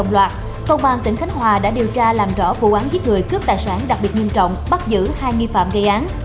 công an tỉnh khánh hòa đã điều tra làm rõ vụ án giết người cướp tài sản đặc biệt nghiêm trọng bắt giữ hai nghi phạm gây án